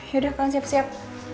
yaudah kalian siap siap